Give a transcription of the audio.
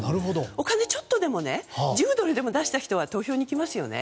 お金、ちょっとでも１０ドルでも出した人は投票に来ますよね。